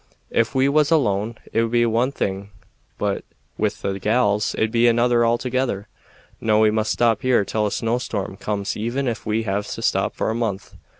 Ef we was alone, it'd be one thing; but with the gals it'd be another altogether. No, we must stop here till a snowstorm comes, even if we have to stop for a month.